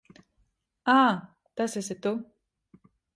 Ā, tas esi tu.